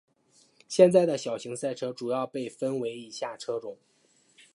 现在的小型赛车主要被分为以下车种。